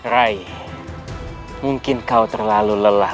rai mungkin kau terlalu lelah